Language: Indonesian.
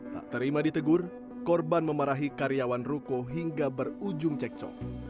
tak terima ditegur korban memarahi karyawan ruko hingga berujung cekcok